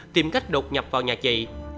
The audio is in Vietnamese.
tìm cách đột nhập vào nhà chị